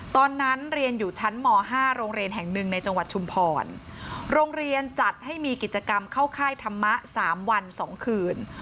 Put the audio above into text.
ตอนนั้นเรียนอยู่ชั้นม๕โรงเรียนแห่งหนึ่งในจังหวัดชุมพรโรงเรียนจัดให้มีกิจกรรมเข้าค่ายธรรมะ๓วัน๒คืน